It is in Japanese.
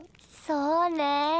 そうねえ。